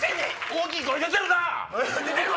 大きい声出てるな！